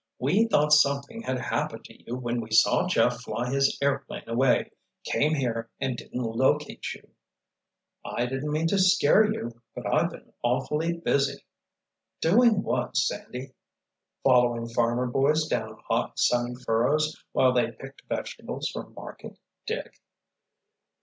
We thought something had happened to you when we saw Jeff fly his airplane away, came here and didn't locate you." "I didn't mean to scare you. But I've been awfully busy." "Doing what, Sandy?" "Following farmer boys down hot, sunny furrows while they picked vegetables for market, Dick."